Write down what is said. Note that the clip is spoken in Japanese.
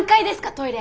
トイレ。